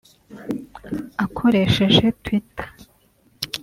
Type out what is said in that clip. Akoresheje Twitter